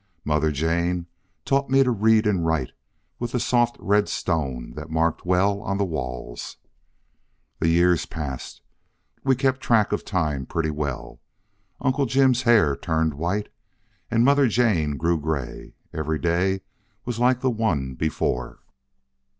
Mother Jane taught me to read and write with the soft red stone that marked well on the walls. "The years passed. We kept track of time pretty well. Uncle Jim's hair turned white and Mother Jane grew gray. Every day was like the one before.